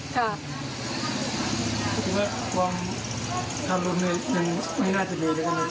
พี่ก็ว่าความทำรุนไม่น่าจะดีเลยนะพี่